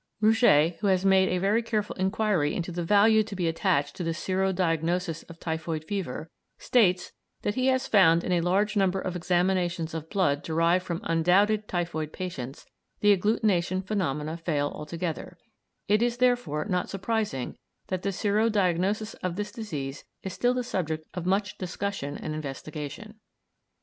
Rouget, who has made a very careful inquiry into the value to be attached to the sero diagnosis of typhoid fever, states that he has found in a large number of examinations of blood derived from undoubted typhoid patients the agglutination phenomena fail altogether; it is, therefore, not surprising that the sero diagnosis of this disease is still the subject of much discussion and investigation.